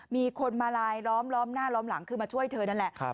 มีคนมาลายล้อมล้อมหน้าล้อมหลังคือมาช่วยเธอนั่นแหละ